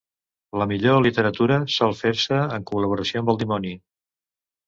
La millor literatura sol fer-se en col·laboració amb el dimoni.